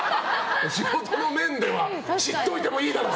仕事の面では知っといてもいいだろ！